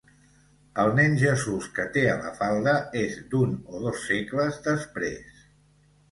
El nen Jesús que té a la falda és d'un o dos segles després.